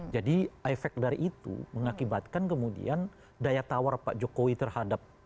jadi efek dari itu mengakibatkan kemudian daya tawar pak jokowi terhadap pdi perjuangan